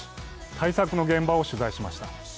対策の現場を取材しました。